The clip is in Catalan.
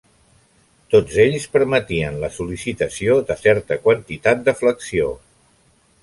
Tots ells permetien la sol·licitació de certa quantitat de flexió.